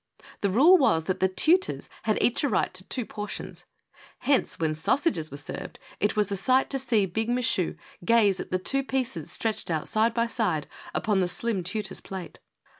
The rule was that the tutors had each a right to two portions. Hence, when sausages were served it was a sight to see Big Michu gaze at the two pieces stretched out side by side upon the slim tutor's plate.